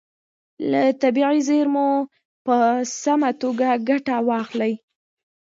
له طبیعي زیرمو په سمه توګه ګټه واخلئ.